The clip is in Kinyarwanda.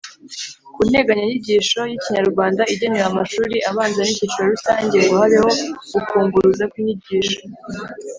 ku nteganyanyigisho y’ikinyarwanda igenewe amashuri abanza n’icyiciro rusange ngo habeho ukunguruza kw’inyigisho.